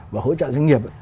và hỗ trợ doanh nghiệp